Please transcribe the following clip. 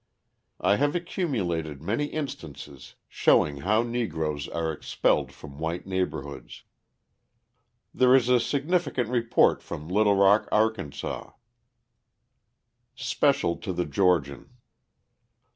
I have accumulated many instances showing how Negroes are expelled from white neighbourhoods. There is a significant report from Little Rock, Arkansas: (_Special to the Georgian.